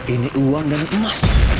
ini uang dari emas